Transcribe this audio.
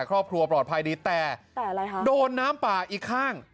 ครอบครัวปลอดภัยดีแต่อะไรคะโดนน้ำป่าอีกข้าง